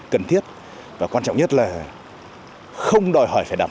bởi vì nó cũng không thể thử lưu ý